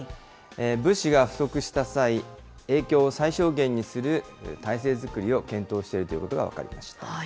物資が不足した際、影響を最小限にする体制づくりを検討しているということが分かりました。